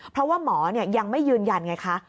เพราะว่าหมอยังไม่ยืนยันไงคะ